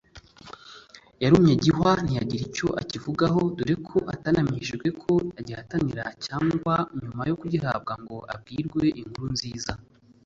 yarumye gihwa ntiyagira icyo akivugaho dore ko atanamenyeshejwe ko agihatanira cyangwa nyuma yo kugihabwa ngo abwirwe inkuru nziza